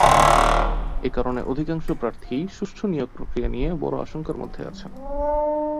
এ কারণে অধিকাংশ প্রার্থীই সুষ্ঠু নিয়োগপ্রক্রিয়া নিয়ে বড় আশঙ্কার মধ্যে আছেন।